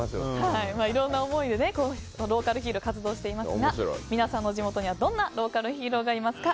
いろんな思いでローカルヒーロー活動していますが皆さんの地元にはどんなローカルヒーローがいますか。